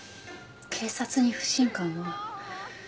警察に不信感を。